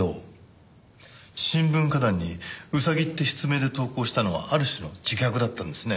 新聞歌壇に「ウサギ」って筆名で投稿したのはある種の自虐だったんですね。